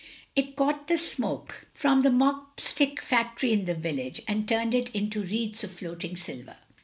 It caught the smoke 152 THE LONELY LADY from the mop stick factory in the village, and turned it into wreaths of floating silver.